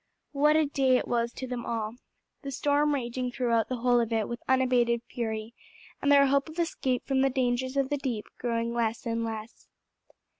What a day it was to them all, the storm raging throughout the whole of it with unabated fury, and their hope of escape from the dangers of the deep growing less and less.